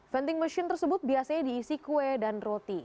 venting machine tersebut biasanya diisi kue dan roti